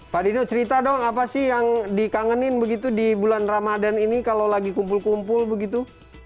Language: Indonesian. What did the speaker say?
pak dino cerita dong apa sih yang dikangenin begitu di bulan ramadan ini kalau lagi kumpul kumpul begitu